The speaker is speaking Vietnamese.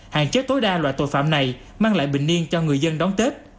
hạn chế tối đa loại tội phạm này mang lại bình niên cho người dân đón tết